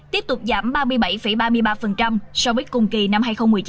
tiếp tục giảm ba mươi bảy ba mươi ba so với cùng kỳ năm hai nghìn một mươi chín